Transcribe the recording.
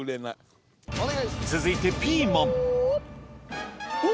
続いてピーマンいよ！